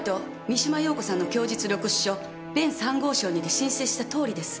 三島陽子さんの供述録取書「弁３号証」にて申請したとおりです。